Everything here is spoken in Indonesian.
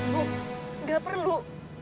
bu gak perlu